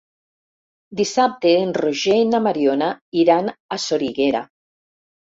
Dissabte en Roger i na Mariona iran a Soriguera.